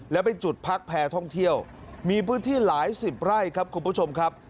แล้วเป็นจุดพักแพรท่องเที่ยวมีพื้นที่หลายสิบไร่ครับคุณผู้ชมครับ